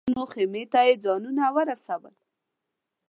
د صاحب منصبانو خېمې ته یې ځانونه ورسول.